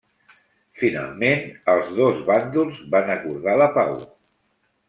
Finalment els dos bàndols van acordar la pau.